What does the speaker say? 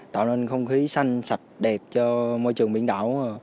tạo nên không khí xanh sạch đẹp cho môi trường biển đảo